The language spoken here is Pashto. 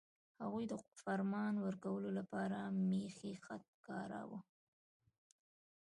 هغوی د فرمان ورکولو لپاره میخي خط کاراوه.